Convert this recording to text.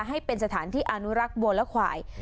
ให้เป็นสถานที่อนุรักษ์บัวและควาย